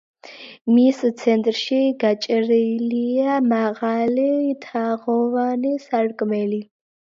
მის ცენტრში გაჭრილია მაღალი, თაღოვანი სარკმელი.